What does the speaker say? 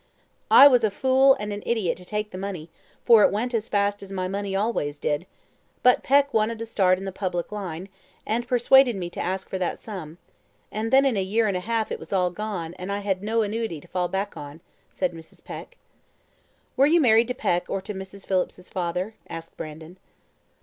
"I was a fool and a idiot to take the money, for it went as fast as my money always did; but Peck wanted to start in the public line, and persuaded me to ask for that sum, and then in a year and a half it was all gone, and I had no annuity to fall back on," said Mrs. Peck. "Were you married to Peck or to Mrs. Phillips's father?" asked Brandon.